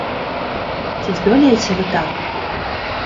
Ці здолееце вы так?